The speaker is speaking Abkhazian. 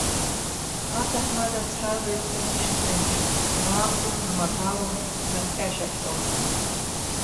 Аҭаҳмада дцәажәоит ҭынч-ҭынч, дгәамҵуам, дмақаруам днапҟьа-шьапҟьом.